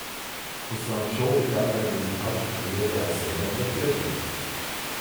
Cousin Joe begann seine musikalische Karriere als Sänger in der Kirche.